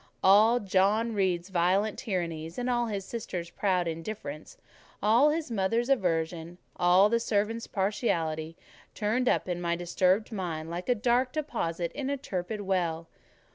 All John Reed's violent tyrannies, all his sisters' proud indifference, all his mother's aversion, all the servants' partiality, turned up in my disturbed mind like a dark deposit in a turbid well.